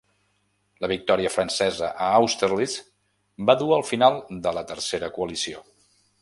La victòria francesa a Austerlitz va dur al final de la Tercera Coalició.